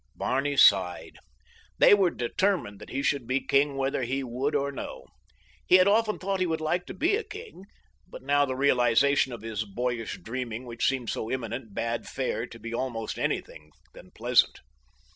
Barney sighed. They were determined that he should be king whether he would or no. He had often thought he would like to be a king; but now the realization of his boyish dreaming which seemed so imminent bade fair to be almost anything than pleasant.